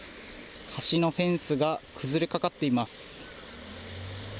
橋のフェンスが崩れかかっています。